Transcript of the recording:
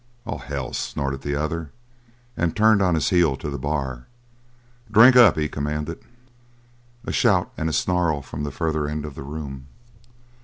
"Oh, hell!" snorted the other, and turned on his heel to the bar. "Drink up!" he commanded. A shout and a snarl from the further end of the room.